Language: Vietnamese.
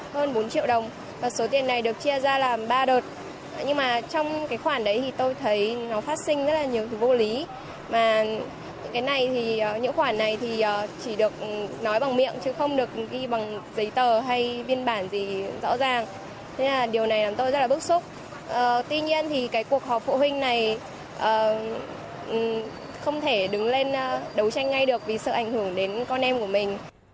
học phụ huynh này không thể đứng lên đấu tranh ngay được vì sự ảnh hưởng đến con em của mình